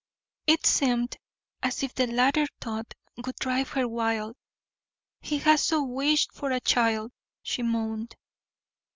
It seemed as if the latter thought would drive her wild. "He has so wished for a child," she moaned.